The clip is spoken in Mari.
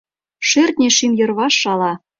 Шӧртньӧ шӱм йырваш шала